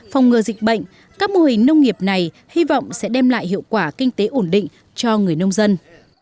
phòng ngừa dịch bệnh các mô hình nông nghiệp này hy vọng sẽ đem lại hiệu quả kinh tế ổn định cho người nông dân